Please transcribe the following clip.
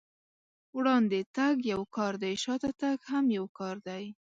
وړاندې تګ يو کار دی، شاته تګ هم يو کار دی.